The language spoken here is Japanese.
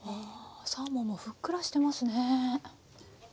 サーモンもふっくらしてますね。